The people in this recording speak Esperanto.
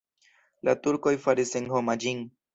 La turkoj faris senhoma ĝin.